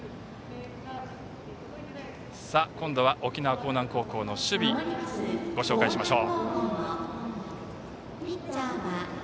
今度は沖縄・興南高校の守備をご紹介します。